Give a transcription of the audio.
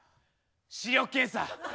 視力検査。